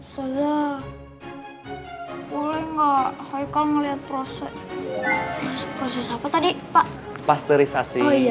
salah boleh nggak hai kalau melihat proses proses apa tadi pak pasteurisasi